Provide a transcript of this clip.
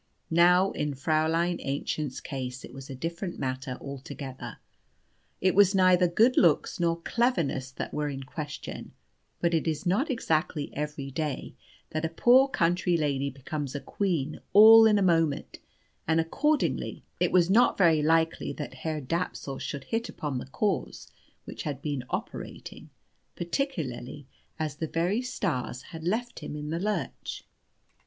Now in Fräulein Aennchen's case it was a different matter altogether. It was neither good looks nor cleverness that were in question; but it is not exactly every day that a poor country lady becomes a queen all in a moment, and accordingly it was not very likely that Herr Dapsul should hit upon the cause which had been operating, particularly as the very stars had left him in the lurch.